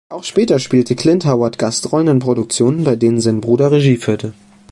Auch später spielte Clint Howard Gastrollen in Produktionen, bei denen sein Bruder Regie führte.